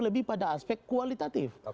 lebih pada aspek kualitatif